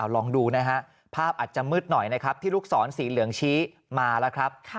ลองดูนะฮะภาพอาจจะมืดหน่อยนะครับที่ลูกศรสีเหลืองชี้มาแล้วครับ